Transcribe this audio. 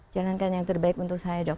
jangankan yang terbaik untuk saya dok